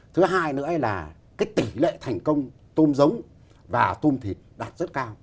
thứ hai nữa là cái tỷ lệ thành công tôm giống và tôm thịt đạt rất cao